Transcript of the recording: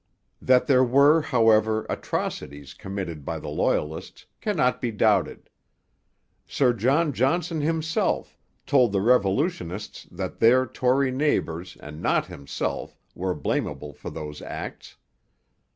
That there were, however, atrocities committed by the Loyalists cannot be doubted. Sir John Johnson himself told the revolutionists that 'their Tory neighbours, and not himself, were blameable for those acts.'